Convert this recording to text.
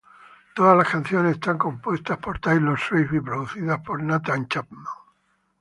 Todas las canciones son compuestas por Taylor Swift y producidas por Nathan Chapman.